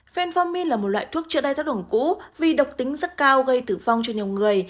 phenformin là một loại thuốc trị đai thác đổng cũ vì độc tính rất cao gây tử vong cho nhiều người